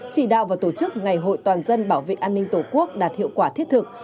chỉ đạo và tổ chức ngày hội toàn dân bảo vệ an ninh tổ quốc đạt hiệu quả thiết thực